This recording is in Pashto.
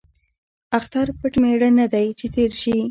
ـ اختر پټ ميړه نه دى ،چې تېر شي.